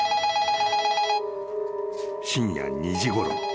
☎［深夜２時ごろ。